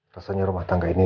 rasanya rumah tangga ini